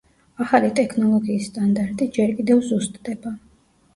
ახალი ტექნოლოგიის სტანდარტი ჯერ კიდევ ზუსტდება.